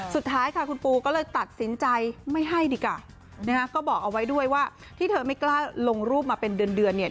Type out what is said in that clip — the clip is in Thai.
สุดท้ายค่ะคุณปูก็เลยตัดสินใจไม่ให้ดีกว่านะฮะก็บอกเอาไว้ด้วยว่าที่เธอไม่กล้าลงรูปมาเป็นเดือนเดือนเนี่ย